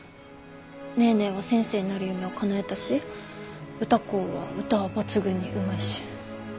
ネーネーは先生になる夢をかなえたし歌子は歌は抜群にうまいし。